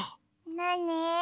なに？